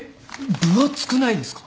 分厚くないですか？